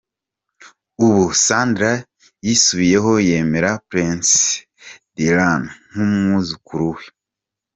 Ubu, Sandra yisubuyeho yemera Prince Dylan nk’umwuzukuru we.